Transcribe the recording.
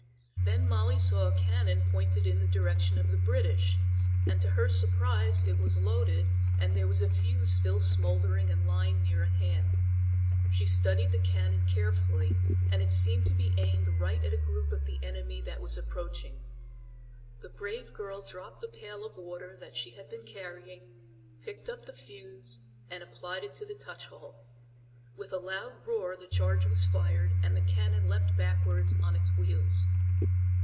Then Molly saw a cannon pointed in the direction of the British, and to her surprise it was loaded and there was a fuse still smoldering and lying near at hand. She studied the cannon carefully and it seemed to be aimed right at a group of the enemy that was approaching. The brave girl dropped the pail of water that she had been carrying, picked up the fuse and applied it to the touch hole. With a loud roar the charge was fired and the cannon leaped backward on its wheels.